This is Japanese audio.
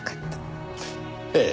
ええ。